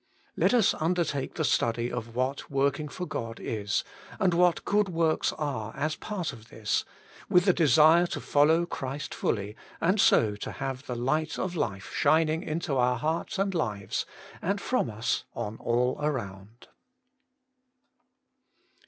Let us undertake the study of what work ing for God is, and what good works are as part of this, with the desire to follow Christ fully, and so to have the light of life ao Working for God shining into our hearts and lives, and from us on all around.